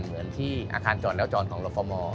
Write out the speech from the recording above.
เหมือนที่อาคารจอดแล้วจอดของรฟม